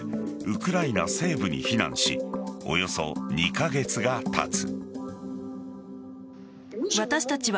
ウクライナ西部に避難しおよそ２カ月がたつ。